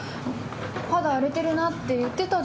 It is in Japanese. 「肌荒れてるな」って言ってたじゃない。